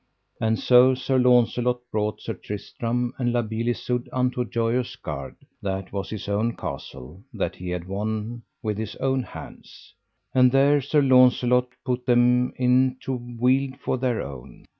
And so Sir Launcelot brought Sir Tristram and La Beale Isoud unto Joyous Gard, that was his own castle, that he had won with his own hands. And there Sir Launcelot put them in to wield for their own.